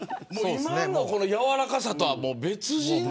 今の柔らかさとは別人。